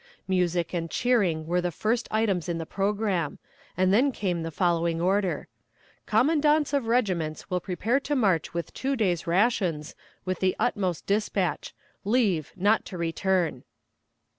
Music and cheering were the first items in the programme, and then came the following order: "Commandants of regiments will prepare to march with two days' rations, with the utmost dispatch. Leave, not to return."